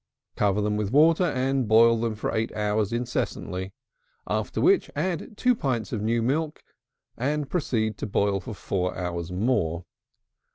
Cover them with water, and boil them for 8 hours incessantly; after which add 2 pints of new milk, and proceed to boil for 4 hours more.